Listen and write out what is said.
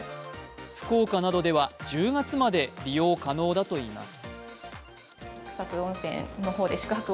福岡などでは１０月まで利用可能だといいます。